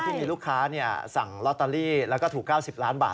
ที่มีลูกค้าสั่งลอตเตอรี่แล้วก็ถูก๙๐ล้านบาท